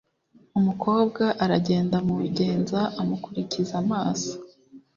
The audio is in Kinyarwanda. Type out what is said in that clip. Umukobwa aragenda mugenza amukurikiza amaso